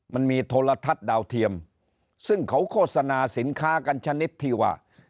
มันมีโทรทัศน์ดาวเทียมซึ่งเขาโฆษณาสินค้ากันชนิดที่ว่า